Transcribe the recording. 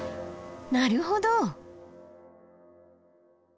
なるほど！